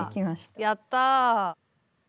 やったあ！